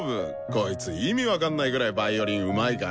こいつ意味分かんないぐらいヴァイオリンうまいから。